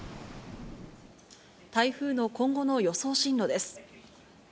台風の今後の予想進路です。